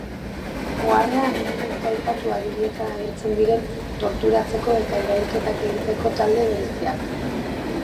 Oharrean ez dituzte aipatu agirietan agertzen diren torturatzeko eta erailketak egiteko talde bereziak.